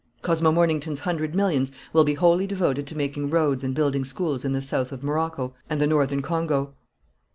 "Cosmo Mornington's hundred millions will be wholly devoted to making roads and building schools in the south of Morocco and the northern Congo."